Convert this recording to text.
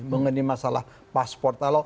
mengenai masalah pasport